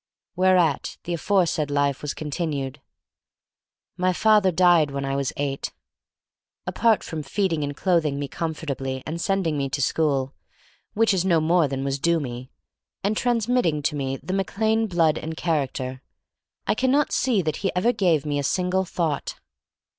. Whereat the aforesaid life was con tinued. My father died when I was eight. Apart from feeding and clothing me comfortably and sending me to school — which is no more than was due me — and transmitting to me the Mac Lane blood and character, I can not see that he ever gave me a single thought.